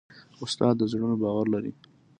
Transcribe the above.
استاد د زړونو باور لري.